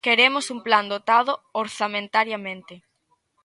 Queremos un plan dotado orzamentariamente.